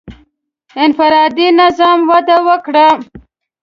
• انفرادي نظام وده وکړه.